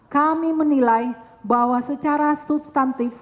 kami menilai bahwa secara substantif